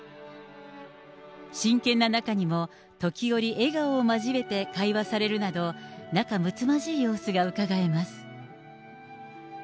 真剣な中にも時折笑顔を交えて会話されるなど、仲睦まじい様子がうかがえます。